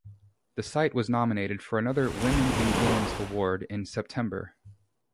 The site was nominated for another Women in Games award in September.